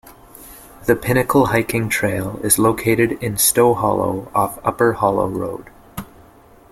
The Pinnacle hiking trail is located in Stowe Hollow off Upper Hollow Road.